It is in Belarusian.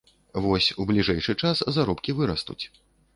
Вось, у бліжэйшы час заробкі вырастуць.